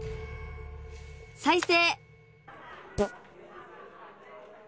再生！